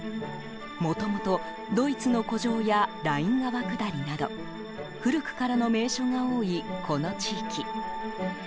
もともと、ドイツの古城やライン川下りなど古くからの名所が多いこの地域。